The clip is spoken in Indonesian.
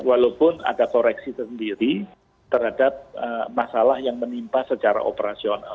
walaupun ada koreksi sendiri terhadap masalah yang menimpa secara operasional